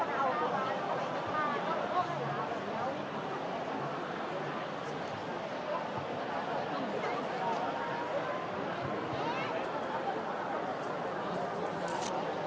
สวัสดีครับ